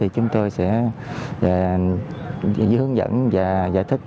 chúng tôi sẽ hướng dẫn và giải thích